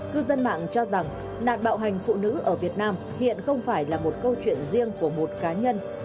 cư dân mạng cho rằng nạn bạo hành phụ nữ ở việt nam hiện không phải là một câu chuyện riêng của một cá nhân